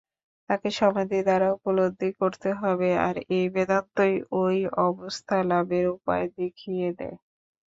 তাঁকে সমাধি দ্বারা উপলব্ধি করতে হবে, আর বেদান্তই ঐ অবস্থালাভের উপায় দেখিয়ে দেয়।